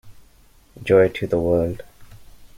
Joy to the world.